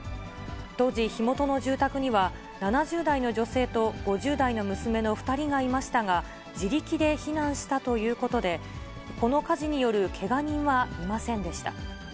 当時、火元の住宅には、７０代の女性と５０代の娘の２人がいましたが、自力で避難したということで、この火事によるけが人はいませんでした。